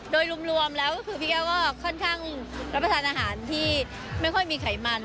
โดยรวมแล้วก็คือพี่แก้วก็ค่อนข้างรับประทานอาหารที่ไม่ค่อยมีไขมัน